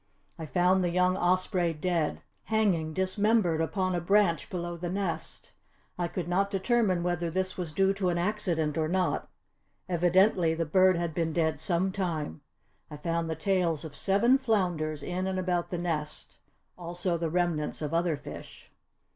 I found the young osprey dead, hanging dismembered upon a branch below the nest. I could not determine whether this was due to an accident or not. Evidently the bird had been dead some time. I found the tails of seven flounders in and about the nest, also the remnants of other fish."